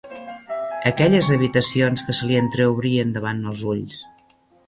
Aquelles habitacions que se li entreobrien davant els ulls